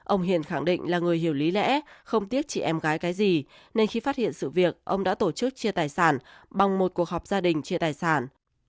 ông hiền khẳng định là người hiểu lý lẽ không tiếc chị em gái cái gì nên khi phát hiện sự việc ông đã tổ chức chia tài sản bằng một cuộc họp gia đình chia tài sản